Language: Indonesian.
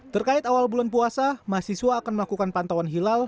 terkait awal bulan puasa mahasiswa akan melakukan pantauan hilal